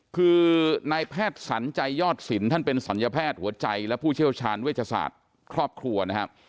คือนายแพทย์สรรใจยอดศิลป์ท่านเป็นศัลยแพทย์หัวใจและผู้เชี่ยวชาญเวชศาสตร์ครอบครัวนะครับ